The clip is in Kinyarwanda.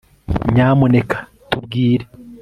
nyamuneka tubwire